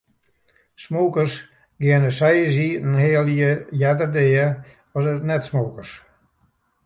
Smokers geane seis en in heal jier earder dea as net-smokers.